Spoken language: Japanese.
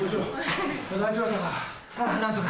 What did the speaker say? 大丈夫だったか？